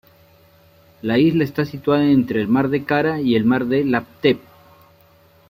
La isla está situada entre el mar de Kara y el mar de Láptev.